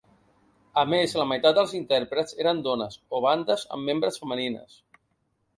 A més, la meitat dels intèrprets eren dones o bandes amb membres femenines.